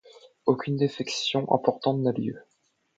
Aucune défection importante n'a lieu.